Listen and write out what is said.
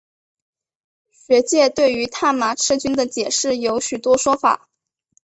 学界对于探马赤军的解释有许多说法。